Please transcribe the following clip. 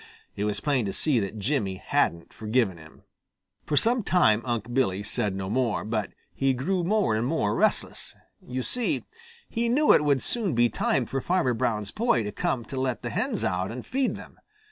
It was plain to see that Jimmy hadn't forgiven him. For some time Unc' Billy said no more, but he grew more and more restless. You see, he knew it would soon be time for Farmer Brown's boy to come to let the hens out and feed them.